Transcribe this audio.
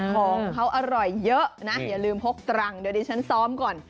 ของเขาอร่อยเยอะนะอย่าลืมพกตรังเดี๋ยวดิฉันซ้อมก่อน